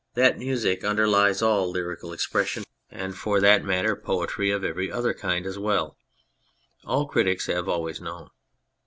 That music underlies all lyrical expression, 57 On Anything and for that matter poetry of every other kind as well, all critics have always known.